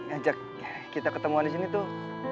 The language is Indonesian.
ajak kita ketemuan di sini tuh